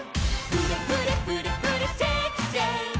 「フレフレフレフレシェイクシェイク」